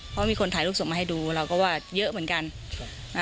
เพราะมีคนถ่ายรูปส่งมาให้ดูเราก็ว่าเยอะเหมือนกัน